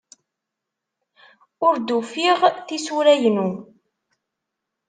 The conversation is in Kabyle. Ur d-ufiɣ tisura-inu.